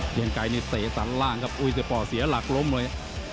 เกียงไกรนี่เตะสันล่างครับอุ้ยแต่ป่อเสียหลักล้มเลย